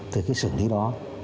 thì cái xử lý đó